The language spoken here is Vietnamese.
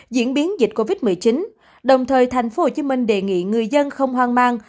diễn biến dịch covid một mươi chín đồng thời tp hcm đề nghị người dân không hoang mang